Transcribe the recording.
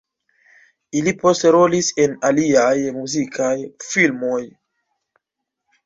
Ili poste rolis en aliaj muzikaj filmoj.